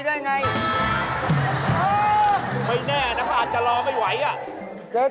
ไม่แน่นะอาจจะรอไม่ไหว